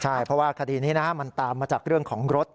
ใช่เพราะว่าคดีนี้มันตามมาจากเรื่องของรถ